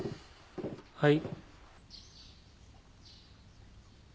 はい。